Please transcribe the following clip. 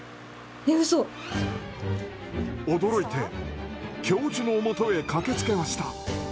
驚いて教授の元へ駆けつけました。